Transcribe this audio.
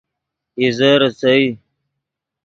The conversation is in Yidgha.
اِیزے ریسئے